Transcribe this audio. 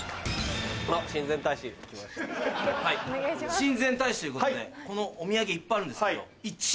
親善大使ということでお土産いっぱいあるんですけど。